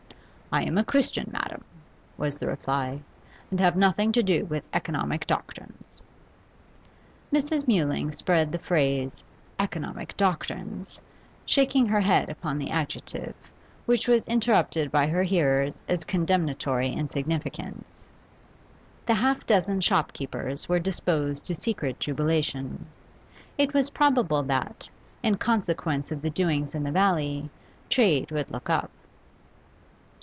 'I am a Christian, madam,' was the reply, 'and have nothing to do with economic doctrines.' Mrs. Mewling spread the phrase 'economic doctrines,' shaking her head upon the adjective, which was interpreted by her hearers as condemnatory in significance. The half dozen shopkeepers were disposed to secret jubilation; it was probable that, in consequence of the doings in the valley, trade would look up.